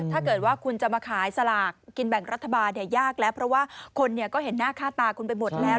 ถ้าเกิดว่าคุณจะมาขายสลากกินแบ่งรัฐบาลยากแล้วเพราะว่าคนก็เห็นหน้าค่าตาคุณไปหมดแล้ว